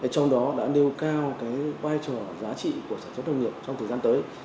trong đó đã nêu cao vai trò giá trị của sản xuất nông nghiệp trong thời gian tới